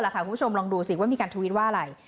คุณผู้ชมลองดูสิว่ามีการทวิตว่าอะไร